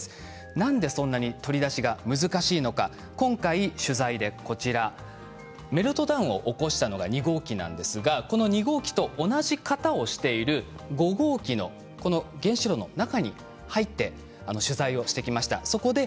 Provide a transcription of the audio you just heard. なんでそんなに取り出しが難しいのか今回取材で、こちらメルトダウンを起こしたのが２号機なんですが同じ型をしている５号機の中に入って取材してきました。